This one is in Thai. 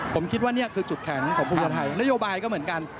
ผมคิดว่านี่คือจุดแข็งของภูมิใจไทยนโยบายก็เหมือนกัน